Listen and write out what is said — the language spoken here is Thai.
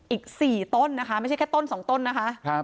อีก๔ต้นนะคะไม่ใช่แค่ต้น๒ต้นนะคะ